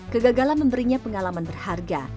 kegagalan memberinya pengalaman berharga